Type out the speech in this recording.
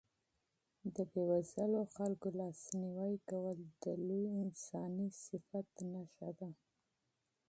د بېوزلو خلکو لاسنیوی کول د لوی انساني صفت نښه ده.